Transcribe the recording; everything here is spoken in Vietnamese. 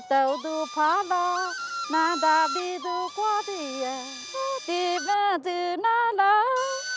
nếu có bài hát được thì phải nói